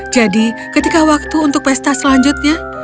jadi ketika waktu untuk pesta selanjutnya